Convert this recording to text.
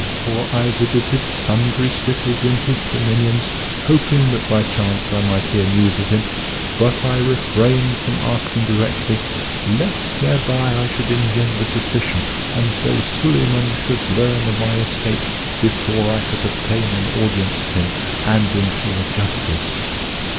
For I visited sundry cities in his dominions, hoping that by chance I might hear news of him, but I refrained from asking directly lest thereby I should engender suspicion, and so Suleyman should learn of my escape before I could obtain an audience of him and implore justice."